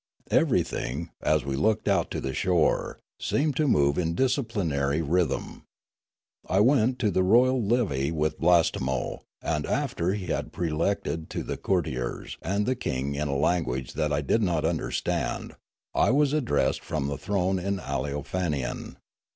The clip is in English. Everything, as we looked out to the shore, seemed to move to disciplinary rhythm. I went to the royal levee with Blastemo, and, after he had prelected to the courtiers and the king in a lan guage that I did not understand, I was addressed from the throne in Aleofanian.